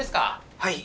はい。